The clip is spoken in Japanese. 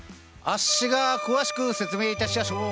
あっしが詳しく説明いたしやしょう。